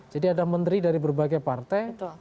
jadi ada menteri dari berbagai partai